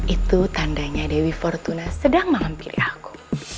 itu tandanya dewi fortuna sedang menghampiri aku